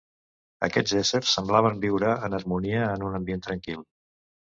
Aquests éssers semblaven viure en harmonia, en un ambient tranquil.